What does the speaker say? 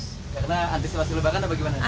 karena antisipasi lebaran apa gimana